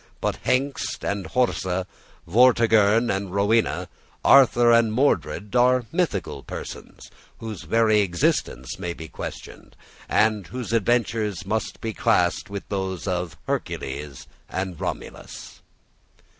But Hengist and Horsa, Vortigern and Rowena, Arthur and Mordred are mythical persons, whose very existence may be questioned, and whose adventures must be classed with those of Hercules and Romulus.